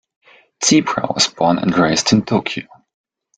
Zeebra was born and raised in Tokyo.